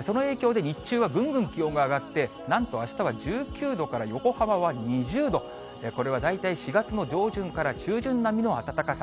その影響で日中はぐんぐん気温が上がって、なんとあしたは１９度から横浜は２０度、これは大体４月の上旬から中旬並みの暖かさ。